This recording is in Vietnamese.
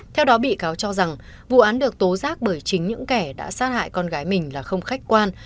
theo đó bị cáo cho rằng vụ án được tố giác bởi chính những kẻ đã sát hại con gái mình là không khách quan